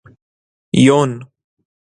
یون